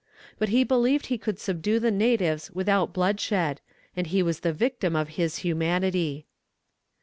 But he believed he could subdue the natives without bloodshed, and he was the victim of his humanity.